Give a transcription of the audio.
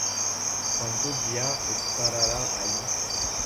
Cuantos dias esparará alli?